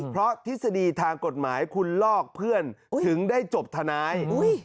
เพราะทฤษฎีทางกฎหมายคุณลอกเพื่อนถึงได้จบทนาย